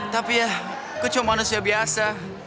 tapi ya gua cuma manusia biasa